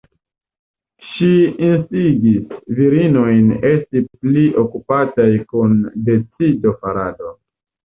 Ŝi instigis virinojn esti pli okupataj kun decido-farado.